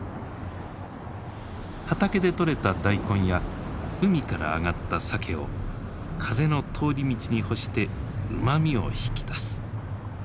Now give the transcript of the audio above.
畑で取れたダイコンや海から揚がったサケを風の通り道に干してうまみを引き出す。